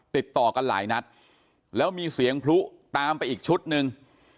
ติดต่อกันหลายนัดแล้วมีเสียงพลุตามไปอีกชุดหนึ่ง